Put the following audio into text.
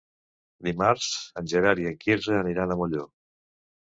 Dimarts en Gerard i en Quirze aniran a Molló.